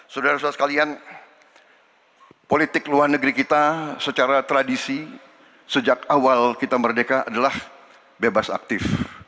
saudara saudara sekalian politik luar negeri kita secara tradisi sejak awal kita merdeka adalah bebas aktif